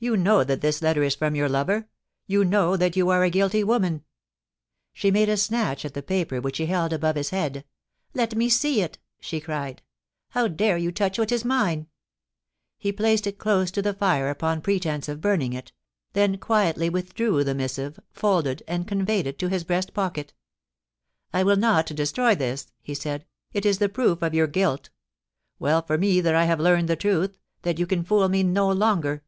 You know that this letter is from your lover. You know that you are a guilty woman !' She made a snatch at the paper which he held above his head. * Let me see it,' she cried. * How dare you touch what is mine !' He placed it close to the fire upon pretence of burning 3i8 POUCY AND PASSION. it, then quietly withdrew the missive, folded and conve3red it to his breast pocket * I will not destroy this,' he said. * It is the proof of your guilt Well for me that I have learned the truth — that you can fool me no longer.